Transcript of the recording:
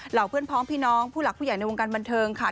เพื่อนพร้อมพี่น้องผู้หลักผู้ใหญ่ในวงการบันเทิงค่ะ